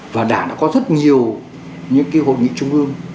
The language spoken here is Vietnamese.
và đảng đã có rất nhiều những hội nghị trung ương